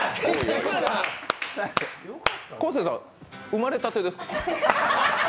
昴生さん、生まれたてですか？